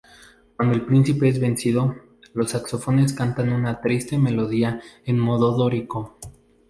Cuando el príncipe es vencido, los saxofones cantan una triste melodía en modo dórico.